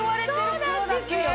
そうなんですよ！